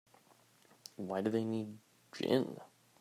Why do they need gin?